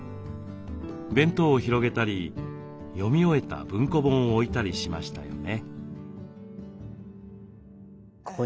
弁当を広げたり読み終えた文庫本を置いたりしましたよね。